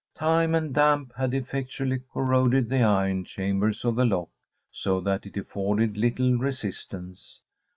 Time and damp had effectually corroded the iron chambers of the lock, so that it afforded little resistance.